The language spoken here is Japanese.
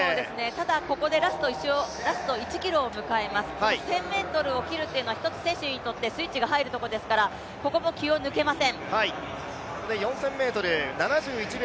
ただ、ここでラスト１ｋｍを迎えます、１０００ｍを切るというのは１つ選手にとってスイッチが入るところですからここも気を抜けません。